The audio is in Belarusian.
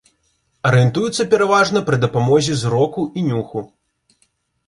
Арыентуюцца пераважна пры дапамозе зроку і нюху.